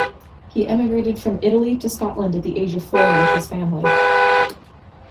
He emigrated from Italy to Scotland at the age of four with his family.